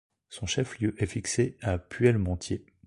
Son chef-lieu est fixé à Puellemontier.